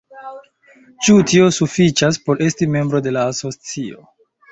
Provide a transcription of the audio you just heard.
Ĉu tio sufiĉas por esti membro de la asocio?